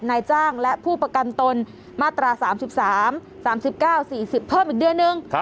นายจ้างและผู้ประกันตนมาตรา๓๓๙๔๐เพิ่มอีกเดือนนึง